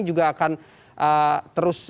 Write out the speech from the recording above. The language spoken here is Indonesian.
juga akan terus